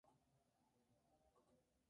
Unos opinan que en la catedral de Rossano.